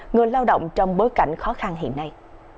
người lao động trong bối cảnh khó khăn hiện nay